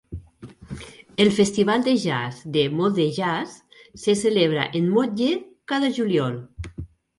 El festival de jazz de Moldejazz se celebra en Motlle cada juliol.